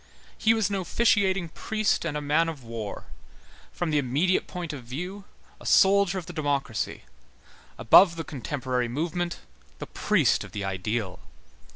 He was an officiating priest and a man of war; from the immediate point of view, a soldier of the democracy; above the contemporary movement, the priest of the ideal.